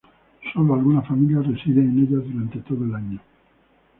Sólo algunas familias residen en ellas durante todo el año.